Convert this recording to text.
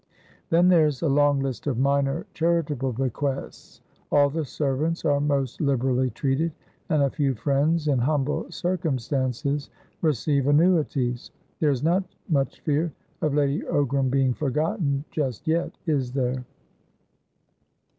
Then there's a long list of minor charitable bequests. All the servants are most liberally treated, and a few friends in humble circumstances receive annuities. There is not much fear of Lady Ogram being forgotten just yet, is there?"